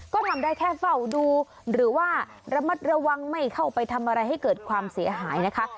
ก็ทำได้แค่เฝ้าดูหรือว่าระมัดระวังไม่เข้าไปทำอะไรให้เกิดความเสียหายนะคะ